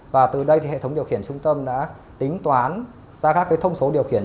và từ đây hệ thống điều khiển trung tâm đã tính toán ra các thông số điều khiển